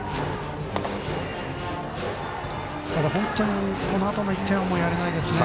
本当にこのあとの１点はやれないですね。